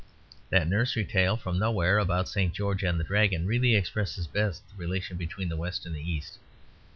That nursery tale from nowhere about St. George and the Dragon really expresses best the relation between the West and the East.